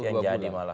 yang jadi malah